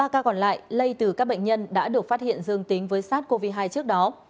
ba ca còn lại lây từ các bệnh nhân đã được phát hiện dương tính với sars cov hai trước đó